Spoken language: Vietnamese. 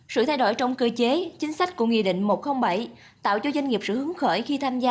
sự thay đổi trong cơ chế chính sách của nghị định một trăm linh bảy tạo cho doanh nghiệp sự hướng khởi khi tham gia